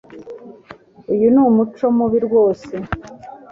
Uyu ni umuco mubi rwose.